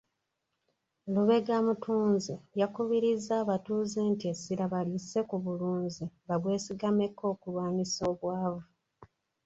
Lubega Mutunzi yakubirizza abatuuze nti essira balisse ku bulunzi babwesigameko okulwanyisa obwavu.